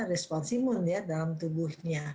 respons imun ya dalam tubuhnya